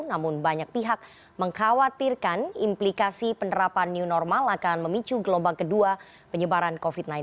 namun banyak pihak mengkhawatirkan implikasi penerapan new normal akan memicu gelombang kedua penyebaran covid sembilan belas